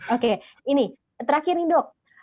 oke ini terakhir nih dok